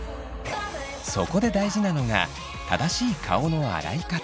そこで大事なのが正しい顔の洗い方。